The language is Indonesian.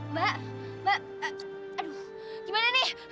mbak mbak aduh gimana nih